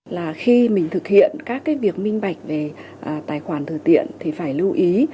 là khi mình thực hiện các cái việc minh bạch về tài khoản thừa tiện thì phải lưu ý